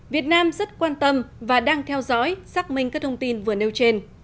việt nam rất quan tâm và đang theo dõi xác minh các thông tin vừa nêu trên